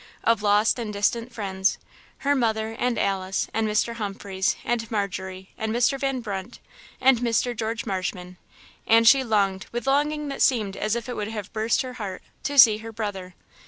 of lost and distant friends. Her mother, and Alice, and Mr. Humphreys, and Margery, and Mr. Van Brunt, and Mr. George Marshman; and she longed, with longing that seemed as if it would have burst her heart, to see her brother.